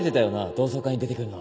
同窓会に出てくるの。